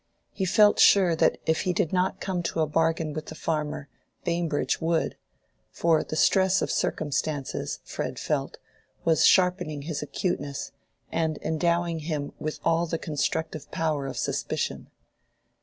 He felt sure that if he did not come to a bargain with the farmer, Bambridge would; for the stress of circumstances, Fred felt, was sharpening his acuteness and endowing him with all the constructive power of suspicion.